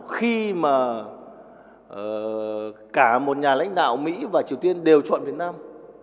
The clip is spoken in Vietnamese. khi mà cả một nhà lãnh đạo mỹ và triều tiên đều chọn việt nam